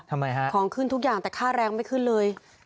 ทำไมฮะของขึ้นทุกอย่างแต่ค่าแรงไม่ขึ้นเลย